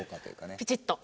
ピチッと。